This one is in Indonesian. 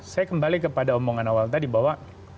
saya kembali kepada omongan awal tadi bahwa